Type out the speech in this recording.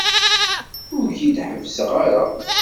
Ur k-id-ḥebbseɣ ara.